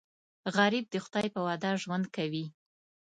غریب د خدای په وعده ژوند کوي